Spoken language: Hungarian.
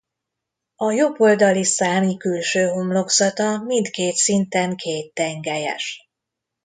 A jobb oldali szárny külső homlokzata mindkét szinten kéttengelyes.